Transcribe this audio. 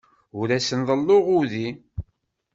Ur asen-ḍelluɣ udi.